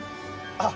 あっ！